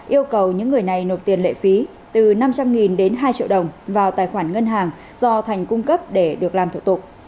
yêu cầu những người này nộp tiền lệ phí từ năm trăm linh đến hai triệu đồng vào tài khoản ngân hàng do thành cung cấp để được làm thủ tục